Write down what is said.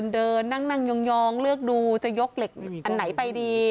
เดินนั่งยองเลือกดูจะยกเหล็กอันไหนไปดี